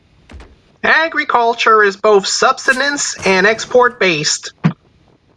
Agriculture is both subsistence and export based.